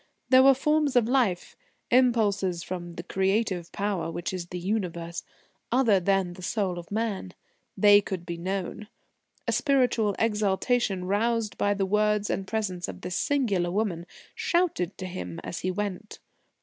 There were forms of life impulses from the Creative Power which is the Universe other than the soul of man. They could be known. A spiritual exaltation, roused by the words and presence of this singular woman, shouted to him as he went.